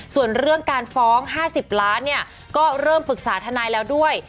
ส่วนเรื่องการฟ้อง๕๐ล้านเนี่ยก็เริ่มปรึกษาทนายแล้วด้วย